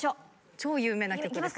超有名な曲ですよ